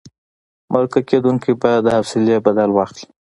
مرکه کېدونکی باید د حوصلې بدل واخلي.